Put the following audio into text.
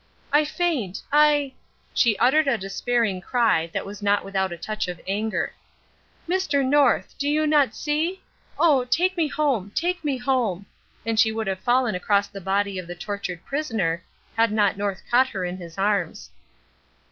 "I faint. I " she uttered a despairing cry that was not without a touch of anger. "Mr. North! do you not see? Oh! Take me home take me home!" and she would have fallen across the body of the tortured prisoner had not North caught her in his arms.